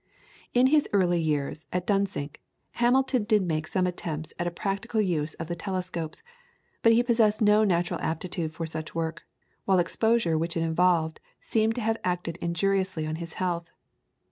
In his early years at Dunsink, Hamilton did make some attempts at a practical use of the telescopes, but he possessed no natural aptitude for such work, while exposure which it involved seems to have acted injuriously on his health.